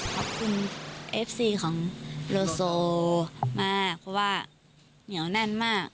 ขอบคุณเอฟซีของโลโซมากเพราะว่าเหนียวแน่นมาก